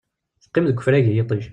Teqqim deg ufrag i yiṭij.